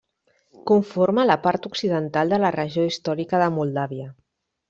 Conforma la part occidental de la regió històrica de Moldàvia.